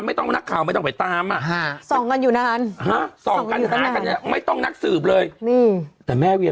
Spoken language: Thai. ไม่ต้องมานักข่าวไม่ต้องไปตาม